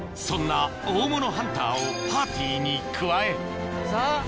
そんな大物ハンターをパーティーに加えさぁ。